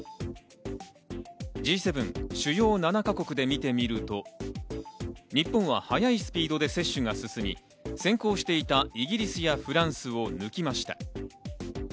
Ｇ７＝主要７か国で見てみると、日本は速いスピードで接種が進み、先行していたイギリスやフランスを抜きました。